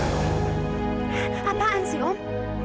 apaan sih om